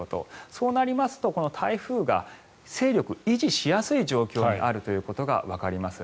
そうなりますと、台風が勢力を維持しやすい状況にあるということがわかります。